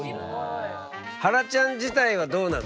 はらちゃん自体はどうなの？